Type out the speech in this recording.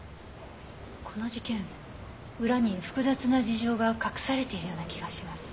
この事件裏に複雑な事情が隠されているような気がします。